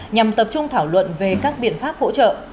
nhằm tập trung thảo luận về các biện pháp hỗ trợ